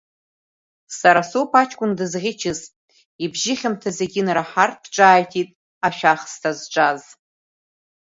Сара соуп аҷкәын дызӷьычыз, ибжьы хьамҭа зегьы инараҳартә ҿааиҭит ашәахсҭа зҿаз.